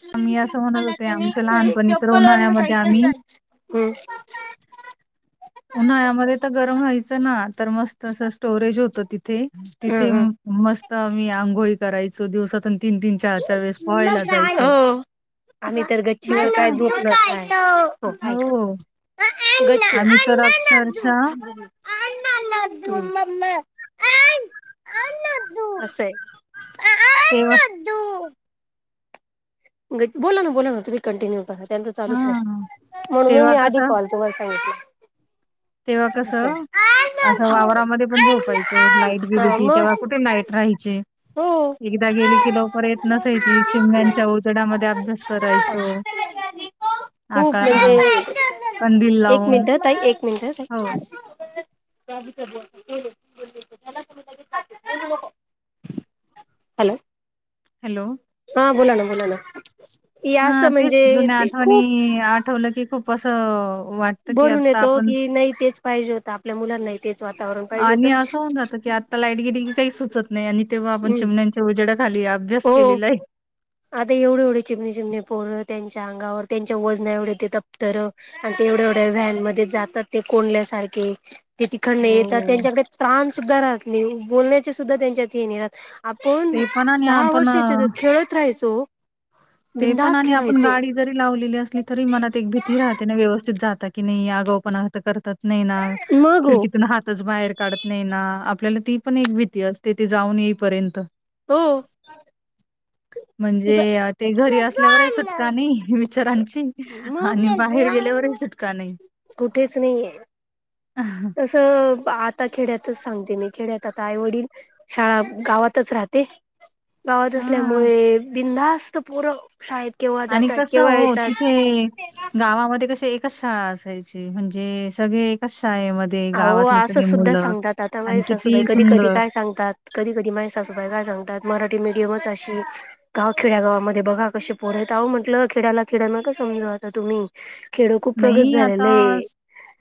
तीले आम्ही म्हणां असं म्हणत तुले होते किती आमचं अंकल लहानपणी तर चपल मं वर्ण उन्हाळ्यामध्ये सहीक आम्ही चां हम्मं उन्हाळ्यांमध्यें तरं गरमं व्हायचं नां तरं मस्तं असं स्टोरेज होतं तिथे हम्म, तिथे हम्म. मस्तं आम्हीं आंघोळी करायचो दिवसांतून तीनं तीनं चार चार वेळेस पोहायला जायचो आम्हीं तरं आणि गच्चीवर कसं कायं झोंप लोसं नाहीं हो अ् आम्ही [unintelligible] तर आंणा अक्षरशः नं नं ममा तूं आंण आंण तूं आंण कसं आहे तेंव्हा बोलां नां बोलां नां तुम्हीं कंटिन्यू करां त्यांच चालूंच हां. राहील म्हणूंन तेव्हा मी आधी कॉल ओवर टाईम तेंव्हा कसं असं वांवरामध्यें पणं झोपायचो लाईट गेली हा की तेंव्हा मग कुठे लाईट राहीचे हो एकदाचं गेली की लवकरं येतं नसायची चिमम्यांच्या उजडामध्यें अभ्यास करायचो खूप आंता अं म्हणजे कंदील लावूंन मिटच [unintelligible] हॅलो हॅलो हां बोलां नां बोलां नां यां असं म्हणजे ते खूंप ठवलं की खूप असं वाट भरून येतो की नाही तेच पाहिजे होतं आपल्या मुलांनाही. आणि असं होऊन जात की आ ता लाईट गेली की काही सुचत नाही आणि तेव्हा आपण हम्म चिमण्यांच्या उजड्या खाली अभ्यास हो केलेला आहे. आता एवढे एवढे चिमणे चिमणी पोरं त्यांच्या अंगावर त्यांच्या वजना एवढे ते दफ्तर तेवढ्यावढ्या वॅनमध्ये जातात ते कोंल्यासारखे ते तिखडनं येतात हो, त्यांच्याकडे त्रान सुद्धा राहत नाही बोलण्याची सुद्धा त्यांच्यात ही नाही राहत आपण ते पण आणि सहा आपण अ, वर्षा हेच्यात खेळ त राहायचो हो. ते पण आणि आपण गाडी जरी लावलेली असली तरी मनात एक भीती राहते ना व्यवस्थित जात की नाही आगाव पणा करतात नाही ना. मग हो खिडकून हातच बाहेर काढत नाही ना आपल्याला ती पण एक भीती असते ती जाऊन येईपर्यंत. हो ते म्हणजे प यात घरी असल्यावरही आहे सुटका नाही विचारांची मग आणि बाहेर गेल्यावरही सुटका नाही. कुठेच नाहीे आहे. [unintelligible] कसं आता खेड्यातच सांगते मी खेड्यात आता आई वडील शाळा गावातच राहते. गावात हां. असल्यामुळे बिंधास्त पोरं शाळेत केव्हा आणि जातात कसं केव्हा हो येतात तिथे गावामध्ये कशे एक कच शाळा असायची म्हणजे सगळे एकच शाळेमध्ये आहों गावातली असं सगळी सुद्धा मुलं सांगतात आता माझी आणि सासूबाई किती कधी-कधी सुंदर. काय सांगतात कधी-कधी माय सासूबाई काय सांगतात मराठी मीडियमच अशी गाव खेड्यागावामध्ये बघा कशे पोरं आहेत महटलं खेड्याला खेड्या न का समजा आता तुम्ही. खेडं खूप प्रगत नाही आता झालेलं आहे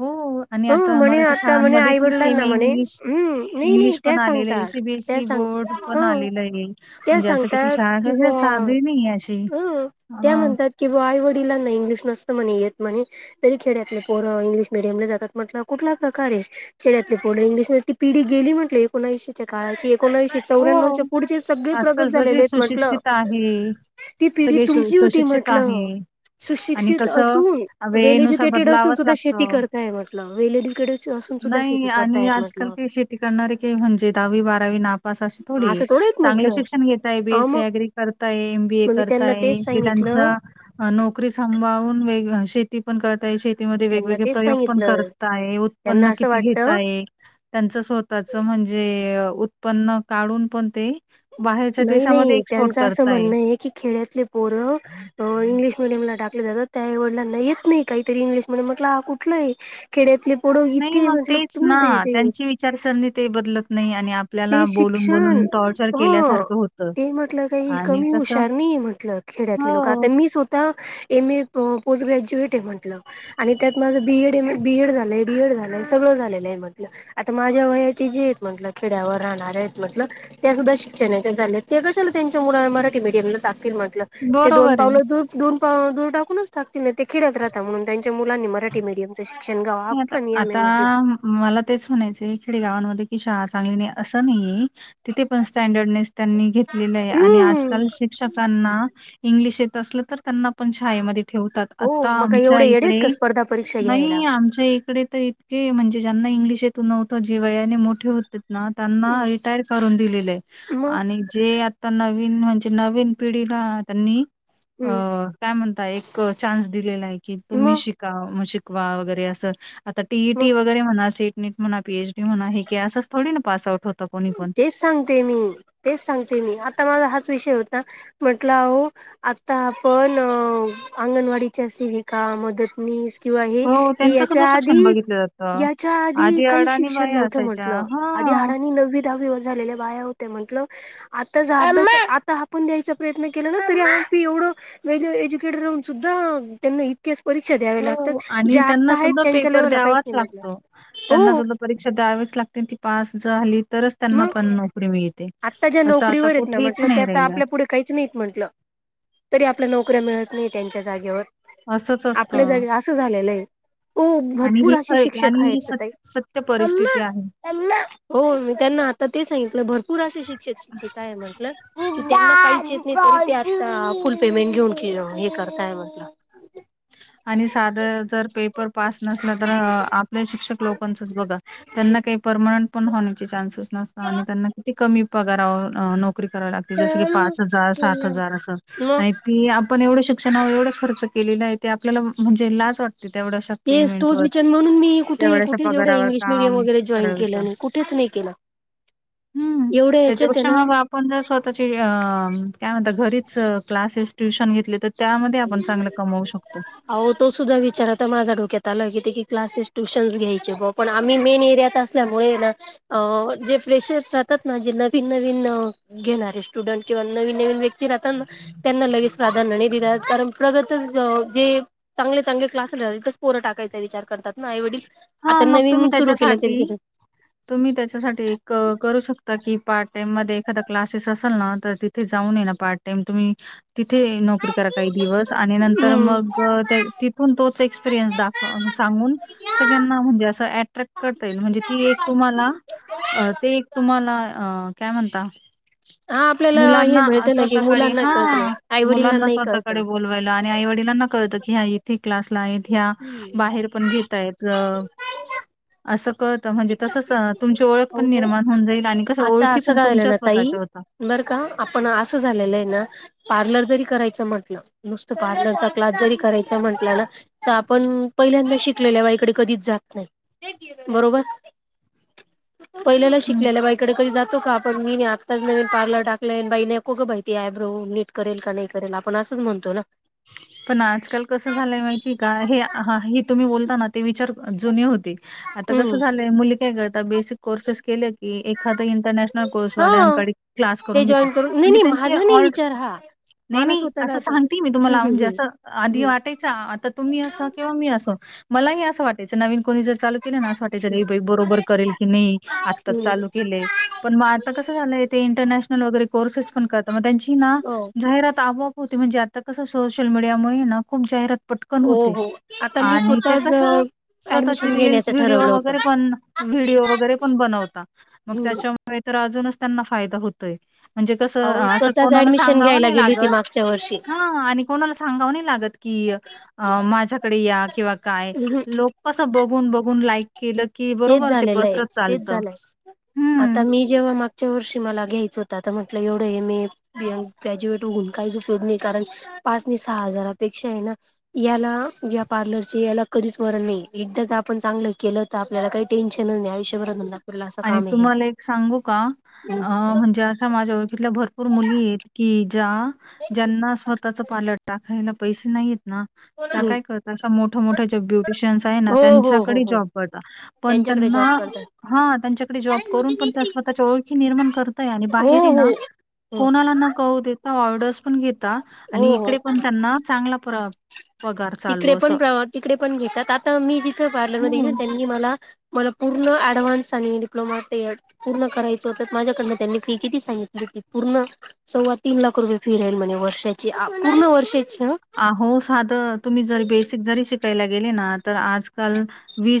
हो आणि हो आता ता म्हणे मराठी आता म्हणे शाळांमध्ये आई पण वडिलांना सेमी म्हणे इंग्लिश हम्म नाही नाही इंग्लिश त्या पण आलेले सांगतात सी बी एस त्या सी सांग बोर्ड ह पण आलेलं आहे त्या म्हणजे असं किती सांगतात शाळा कि हे बुवा सादं ही नाही आहे अशी अ किंवा आई वडिलां ना इंग्लिश नसतं म्हणे येत म्हणे तरी खेड्यातले पोरं इंग्लिश मिडियमला जातात म्हटलं कुठला प्रकार आहे खेड्यातले पोले इंग्लिश म ती पीढी गेली म्हटली एकोणशेच्या काळायची एकोणशे हो. चौऱ्यानवच्या पुढचे सगळे आजकाल प्रगत सगळे झालेले आहेत म्हटलं. सुशिक्षित आहे, ती पिढी सगळे सु तुमची होती सुशिक्षित म्हटलं आहे आणि सुशिक्षित कसं असून वेल वेळेनुसार एज्युकेटेड असून बदलावंच सुद्धा शेती लागतं. करताय म्हटलं वे नाही आणि आजकाल म्हटलं काही शेती करणारे काही म्हणजे दहावी बारावी ना पासश थोडी असं थोडं आहेत चांगलं म्हटलं शिक्षण घेताय बी अ एस सी मग अग्री करताय एम बी ए मग मी त्यांना करताय तेच ते सांगितलं त्यांचं अ नोकरी संभाळवून वेग शेती पण करता ये शे तेंव ते त्यांना वेगवेगळे तेच प्रयोग पण सांगितलं करताय त्यांना उत्पन्न असं किती घेत वाटतं आहे त्यांचं स्वतःच म्हणजे उत्पन्न काढून पण ते बाहेरच्या नाही देशामध्ये नाही एक्सपोर्ट त्यांचं असं करताय. म्हणणं आहे की खेड्यातले पोरं अ अ इंग्लिश मिडियमला टाकलं जातात त्या आई वडीलांना येत नाही काहीतरी इंग्लिश ममिडीयम म्हटलं हा कुठला आहे खेड्यातले पोडो नाही इथे मग म्हटलं तेच तु. ना, त्यांची विचारसरणी ते बदलत नाही आणि [unintelligible] ते आपल्याला शिक्षण बोलून-बोलून टॉर्चर हां. केल्यासारखं होतं ते ही म्हटलं काही आणि कमी कसं हुशार नाही म्हटलं खेड्यातले लोकं हो, आता मी स्वः ता एम ए पो पोस्ट ग्रॅज्युएट आहे म्हटलं आणि त्यात B Ed M A B Ed झालेय. बीएड झालंय सगळं झालेलं आहे म्हटलं आता माझ्या वयाची जी आहेत म्हटलं खेड्यावर राहणार आहेत म्हंटलं त्या सुद्धा शिक्षण हाय. [unintelligible] ते कशाला त्यांच्या मुलाला मराठी मडयमला टाकेल म्हटलं ते दोन बरोबर आहे. पावलं दूर दोन पाव दूर टाकूनच टाकतील नाही ते खेड्यात राहाता म्हणून त्यांच्या मुलांनी मराठी मिडियमच शि शेंगा हे [unintelligible] आता नाही आता म्हटलं. मला तेच म्हणायचं खिडेगावांमध्ये की शाळा चांगली नाही असं नाहीये तिथे पण स्टँडर्डनेस त्यांनी घेतलेलं आहे आणि आज हम्म कारण शिक्षकांना इंग्लिश येत असलं तर, त्यांना पण छायेमध्ये ठेवतात. हो आता मग काय आमच्या एवढे येडे आहेत इकडे, का स्पर्धा परीक्षा घ्यायला नाही आम आच्या इकडे तर इतके म्हणजे, ज्यांना इंग्लिश येत न्हवतं, जे वयाने मोठे होते ना त्यांना हं, रिटायर करून दिलेलेय मग आणि जे नवीन म्हणजे, नवीन पिढीला त्यांनी अ हं, काय म्हणता एक चान्स दिलेला आहे की, तुम्ही मग शिका मग शिकवा वगैरे असं. आता टी ई मग टी वगैरे म्हणा, सीट नीट म्हणा, पी एच डी म्हणा, हे की असंच थोडी ना पास आउट होतं कोणी पण. सांगतेय मी, तेच सांगतेय मी, आता माझा हाच विषय होता म्हंटलं आहो आता आपण अंगणवाडीच्या सेविका, मदतनीस, किंवा हे, हो, हे त्यांचं सुद्धा याच्या शिक्षण आधी, बघितलं जातं. याच्या आधी काही अडाणी शिक्षण बाया नव्हतं असायच्या. म्हंटलं. आधी हां. हाडांनी नववी दहावीवर झालेल्या बाया होत्या म्हंटलं. आता [unintelligible] आता आपून द्यायचा प्रयत्न केला ना तरी [unintelligible] एवढं वेग एज्युकेटे राहुन सुद्धा त्यांना इ क्याच परीक्षा द्यावे लागतात, हो आणि ज्या त्यांना आत्ता आहेत सुद्धा त्यांच्या पेपर लेवलला काहीच द्यावाच नाही म्हटलं, लागतो. त्यांना हो. सुद्धा परीक्षा द्यावीच लागते ती पास झाली. तरच त्यांना मग पण नोकरी मिळते, आत्ता ज्या असं आता नोकरीवर आहेत ना कुठेच म्हटलं ते नाही आता राहिलं. आपल्या पुढे काहीच नाहीत म्हंटलं, तरी आपल्या नोकऱ्या मिळत नाही त्यांच्या जागेवर. असंच आपल्या असतं जागे असं झालेलं आहे, ओ आणि भरपूर ही असे ख आणि शिक्षक ही आहेत सत ताई. सत्य अम्मा परिस्थिती आहे. अम्मा. त्यांना आता ते सांगितलं भरपूर असे शिक्षक शिक्षिका हाय म्हटलं. की त्यांना काहीच येत नाही तरी ते आत्ता फुल पेमेंट घेऊन [unintelligible] हे करताय म्हटलं. [inaudible] आणि साधं जर पेपर पास नसल तर, आपल्या शिक्षक लोकांचच बघा. त्यांना काही परमनंट पण होण्याचे चान्सेस नसत आणि त्यांना किती कमी पगारा व अ नोक नोकरी करावी लागते, जस की पाच हजार, सात हजार असं मग आणि ती आपण एवढं शिक्षणावर एवढं खर्च केलेला आहे ते आपल्याला म्हणजे लाज वाट तेच, तोच विचार म्हणून मी कुठे तेवढ्याशा कुठे जेवढे पगारावर इंग्लिश मीडियम काम वगैरे जॉईन केलं करायचं नाही कुठेच नाही. केल. हम्म, त्याच्यापेक्षा ना मग आ पण जर स्वतःचे अ काय म्हणता, घरीच क्लासेस, ट्युशन घेतले तर त्यामध्ये आपण चांगलं कमावू शकतो. अहो तो सुद्धा विचार आता माझा डोक्यात आलाय, की ती क्लासेस ट्यूशनस घ्यायचे ब, पण आम्ही मेन एरियात आसत त्यामुळे हे ना अ जे फ्रेशस राहतात ना, जे नवीन नवीन घेणारे स्टुडन्ट किंवा नवीन नवीन व्यक्ती राहतात ना, त्यांना लगेच प्राधान्य नाही दिला तर [unintelligible] जे चांगले चांगले क्लास [unintelligible] पोरं टाकायचा विचार करतात ना आईवडील हा आता मग तुम्ही नवीन सुरू केलं [unintelligible] त्याच्यासाठी जरी तुम्ही त्याच्यासाठी एक करू शकता की, पार्ट टाइम मध्ये एखादा क्लासेस असल ना, तर ति ते जाऊन येन पार्ट टाइम तुम्ही तिथे नोकरी करा काही दिवस, आणि नंतर हम्म मग तिथून तोच एक्सपिरियन्स दाख अन सांगून सगळ्यांना म्हणजे असं एट्रक करता येईल, म्हणजे ती एक तुम्हाला, ते एक तुम्हाला, अ काय म्हणता हा आपल्याला मुलांना हे आ मिळतं ना की स्वतःकडे मुलांना हा, कळतं हामुलांना आईवडिलांनाही स्वतःकडे कळतं. बोल आणि आईवडिलाना कळतं, की हा इथे क्लासला आहेथ, ह्या हम्म बाहेर पण घेतायेत असं कळतं, म्हणजे तसंच तुमची ओळख हो पण निर्माण होऊन जाईल, आणि कसं आता ओळखी असं पण झालं तुमच्या ना ताई स्वतःच्या होतात बरं का, आपण असं झालेलं आहे ना पार्लर जरी करायचं म्हंटलं, नुसतं पार्लरचा क्लास जरी करायचा म्हंटलं ना तर, आपण पहिल्यांदा शिकलेल्या बाई इकडे कधीच जात नाही, बरोबर पहिल्याला हं. शिकलेल्या बाई कडे कधी जातो का आपण, मी नाही, आत्ताच नवीन पार्ल टाकलंय, आणि बाई नको का बाई ती, आयब्रो नीट करेल का नाही करेल आपण असंच म्हणतो ना पण आजकाल कसं झालंय माहिती का हे आ हे तुम्ही बोलताना ते विचार जुने होते आता कसं हम्म झालंय मुली काय करतात बेसिक कोर्सेस केले की एखाद इंटरनॅशनल ना कोर्स हा वाल्यांकडे क्लास ते करून घेता जॉईन करून नाही म्हणजे नाही त्यांचे माझा नाही ऑड विचार हा नाही मला नाही स्वतःला असं आता सांगते मी हम्म तुम्हाला म्हणजे हम्म असं आधी हम्म वाटायच आता तुम्ही असं किंवा काही असो मलाही अस वाटयचं नवीन कोणी जर असं चालू केलं ना असं वाटा यच हम्म ही बाई बरोबर करेल की नाही आत्ताच हम्म चालू हम्म केले पण मग आता कसं झालंय ते इंटरनॅशनल वगैरे कोर्सेस पण करतात मग त्यांची ना हो जाहिरात आपोआप होते म्हणजे आता कसं सोशल मीडियामुळे ना खूप जाहिरात पटकन होते कन हो होते हो आता मी आणि ते स्वतःच कसं स्वतःची ऍडमिशन रील्स, घेण्याचं व्हिडिओ ठरवलं होतं. वगैरे पण, व्हिडिओ वगैरे पण, बनवता मग हम्म त्याच्यामुळे मुळे तर अजूनच त्यांना फायदा होतोय, म्हणजे कसं, अहो असं स्वतःच कोणाला ऍडमिशन सांगावं घ्यायला नाही गेली होती लागत मागच्या वर्षी. हा, आणि कोणाला सांगाव नाही लागत की, अ माझ्याकडे या किंवा काय हम्म लोक कसं बघून बघून लाईक केलं की तेच बरोबर ते झालेलं आहे पसरत तेच चालत झालंय. आता हम्म मी जेव्हा मागच्या वर्षी मला घ्यायच होत आता म्हटलं एवढं हे एम. ऐ ग्रॅज्युएट होऊन काहीच उपयोग नाही कारण पाच नी सहा हजारापेक्षा पेक्षा ना याला या पार्लरची याला कधीच मरण नाही एकदा ज आपण चांगलं केलं तर आपण आपल्याला काही टेन्शन नाही आयुष्य भर धंदा करेल असं आणि काम आहे तुम्हाला एक सांगू का हे. अ म्हणजे असं माझ्या ओळखीतल्या भरपूर मुली येत कि ज्या ज्यांना स्वतःच पार्लर टाकायला पैसे नाहीयेत ना त्या हम्म. काय करतात अशा मोठ्या मोठ्या ज्या ब्युटिशियन्स आहे ना हो हो हो त्यांच्याकडे हो जॉब करतात पण त्यांच्याकडे त्यांना जॉब करतात हा त्याच्याकडे जॉब करून पण त्या स्वतः च्या ओळखी निर्मान करताय आणि हो भाहेर हे ना हो. कोना कोनाला न कळू देता ऑर्डर्स पण घेता हो आणि हो इकडे पण त्यांना चांगला पगार चालू ईकडे पण असं. पवार तिकडे पण घेतात आता मी जिथं पार्लरमध्ये ये हो. ना त्यांनी त्यांनी मला मला पूर्ण ॲडव्हान्स आणि डप्लोमा पूर्ण करायचं होत माझ्याकडनं त्यांनी फी किती सांगितली होती पूर्ण सव्वा तीन लाख रुपये फी राहील म्हने वर्षाची पूर्ण वर्षाची ह अहो साध तुम्ही जरी बेसिक जरी शिकायला गेले ना तर आजकाल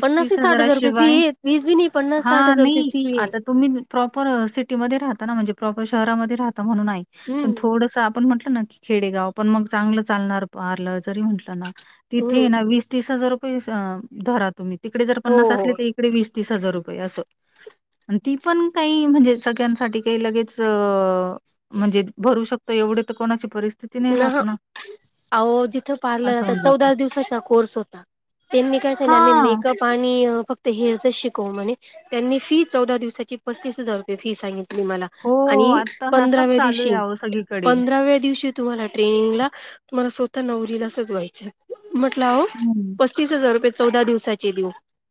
पन्नास ते साठ हजार रुपये फी हजाराशिवाय आहे वीस बी नाही पन्नास हा साठ हजार रुपये नाही फी आहे आता तुम्ही प्रॉपर सिटीमध्ये राहता ना म्हणजे प्रॉपर शहरामध्ये राहता म्हणून नाही पण हम्म थोडसं पण म्हटलं ना की खेडेगाव पण मग चांगलं चालणार पार्लर जरी म्हटलं ना हम्म तिथे ना वीस, तीस हजार रुपये धरा तुम्ही तिकडे जर हो पन्नास असले हो तर इकडे वीस तीस हजार रुपये असं. ती पण काही म्हणजे सगळ्यांसाठी काही लगेच अ म्हणजे भरू शकत एवढे तर कोणाची परिस्थिती नाही राहत ना. अहो जिथं पार्लर असं आता होऊन जातं. चौदा दिवसाचा कोर्स होता, त्यांनी काय सांगितले आम्ही हां. मेकअप आणि फक्त हेरचच शिकव म्हणे त्यांनी फी चौदा दिवसाची पस्तीस हजार रुपये फी सांगितली. मला हो, आणि आता असंच पंधराव्या चालू आहे दिवशी, अहो सगळीकडे. पंधराव्या दिवशी तुम्हीला ट्रेनिंग ला तुम्हला स्वतः नवरीला साजवायचं आहे, मी म्हंटल अहो हं, पस्तीस हजार रुपये चौदा दिवसाचे देऊ.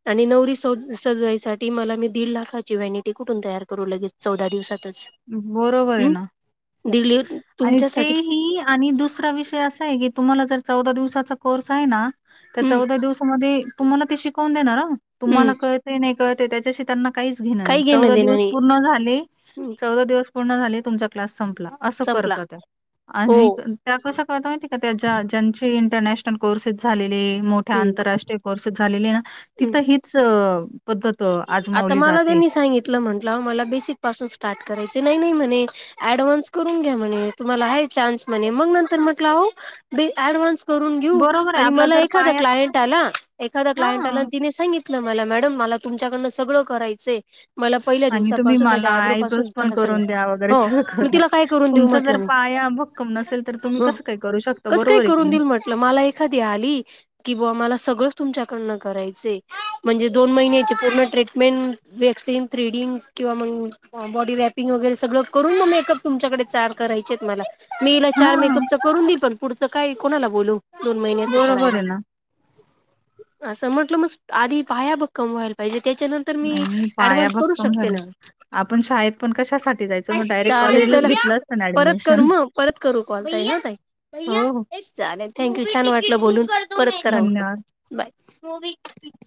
आणि नवरी सजवाईसाठी मला मी दीड लाखाची व्हॅनिटी कुठून तयार करू लगेच चौदा दिवसातच. बरोबर आहे हम्म ना, दिली आणि ते तुमच्यासाठी ही आणि दुसरा विषय असा आहे की तुम्हाला जर चौदा दिवसाचा कोर्स आहे ना त्या हम्म चौदा दिवसामध्ये तुम्हाला ते शिकवून देणार ह, हम्म तुम्हाला कळते नाही कळते त्याच्या शी त्यांना काहीच घेण नाही, काही घेणं चौदा देणं दिवस नाही. पूर्ण झाले, चौदा दिवस पूर्ण झाले तुमचा क्लास संपला. असं संपला. करत ते हो आणि त्या कशा करत माहिती का त्या ज्या ज्यांचे इटरनॅशनल कोर्सेस झालेले, मोठ्या हम्म आंतरराष्ट्रीय कोर्सेस झालेले ना हम्म तिथं हीच पद्धत आजमावली जाते. त म्हंटलं मला बेसिक पासून स्टार्ट करायचे नाही-नाही म्हणे अडव्हान्स करून घ्या म्हणे, तुम्हाला हाय चान्स म्हणे, मग नंतर म्हटलं आहो बे अडव्हान्स. करून घेऊ बरोबर आहे, आणि आपला मला जर एखा पायाच क्लायंट आला एखादा क्लायंट हां. आला तिने सगित मला मॅडम मला तुमच्याकडनं सगळं करायचं. आणि तुम्ही मला आयब्रोज पण थोडं सगळं करून द्या वगैरे हो सगळ मग करा, तिला काय करून देऊ तुमच जर म्हटलं मी पाया बघ कम नसेल तर तुम्ही कसं काही करू शकता, बरोबर की. दि नाही? म्हटलं, मला एखादी आली. कि बुवा मला सगळंच तुमच्याकडन करायचंय, म्हणजे दोन महिन्या चे पूर्ण ट्रीटमेंट व्हॅक्सिन, थ्रीडिंग किंवा मग बॉडी वॅपिंग वगैरे सगळं करून मग मेकअप तुमच्याकडे चार करायचे आहेत मला. मी चार हां, मेकअपच करून देईल पण पुढचं काय कोणाला बोलू दोन महिन्याच बरोबर करायला. आहे ना. असं म्हटलं मग आधी पाया भक्कम व्हायला पाहिजे त्याच्यानंतर मी आणि पाया ऍडव्हान्स करू भक्कम शकते झाल्या, ना आपण शाळेत पण कशासाठी जायचो मग डायरेक्ट चालेल कॉलेजलाच चला घेतलं ना परत करू ॲडमिशन. मग, परत करू कॉल काय ना हो, हो. काय चालेल थँक्यू छान वाटलं बोलून. परत कराव, धन्यवाद. बाय.